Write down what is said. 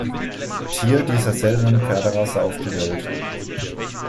Tier dieser seltenen Pferderasse auf die Welt.